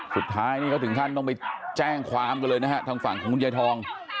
สุดท้ายนี่เขาถึงขั้นต้องไปแจ้งความกันเลยนะฮะทางฝั่งของคุณยายทอง